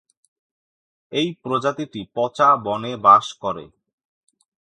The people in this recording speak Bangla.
এই প্রজাতিটি পচা বনে বাস করে।